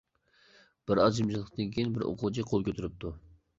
بىر ئاز جىمجىتلىقتىن كېيىن بىر ئوقۇغۇچى قول كۆتۈرۈپتۇ.